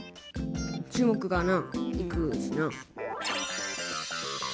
注目がないくしな。